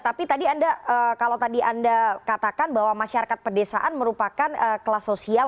tapi tadi anda kalau tadi anda katakan bahwa masyarakat pedesaan merupakan kelas sosial